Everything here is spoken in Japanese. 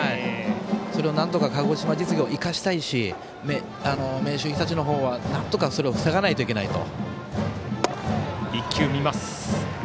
それをなんとか鹿児島実業は生かしたいし明秀日立のほうは、なんとかそれを防がないといけないと。